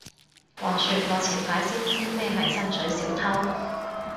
話說我前排先知咩係薪水小偷